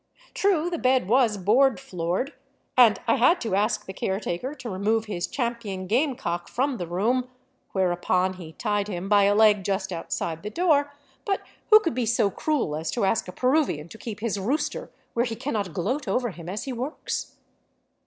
True, the bed was board floored, and I had to ask the caretaker to remove his champion gamecock from the room — whereupon he tied him by a leg just outside the door — but who could be so cruel as to ask a Peruvian to keep his rooster where he cannot gloat over him as he works?